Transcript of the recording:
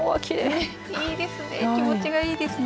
いいですね。